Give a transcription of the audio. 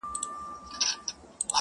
پښتې ستري تر سترو!! استثناء د يوې گوتي!!